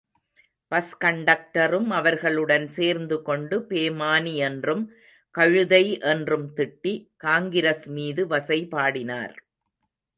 Bus கண்டக்டரும் அவர்களுடன் சேர்ந்து கொண்டு, பேமானி என்றும் கழுதை என்றும் திட்டி, காங்கிரஸ் மீது வசைபாடினார்.